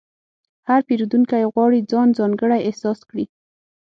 هر پیرودونکی غواړي ځان ځانګړی احساس کړي.